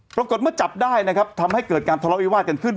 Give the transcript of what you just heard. ปรากฏเมื่อจับได้นะครับทำให้เกิดการทะเลาวิวาสกันขึ้น